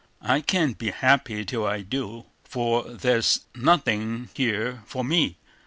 I can't be happy till I do, for there's nothing here for me.